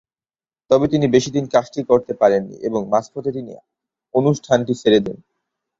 তবে তিনি বেশিদিন কাজটি করতে পারেননি এবং মাঝপথে তিনি অনুষ্ঠানটি ছেড়ে দেন।